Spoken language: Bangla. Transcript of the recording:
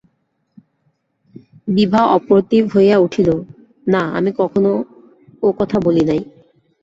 বিভা অপ্রতিভ হইয়া উঠিল, না, আমি কখনো ও কথা বলি নাই।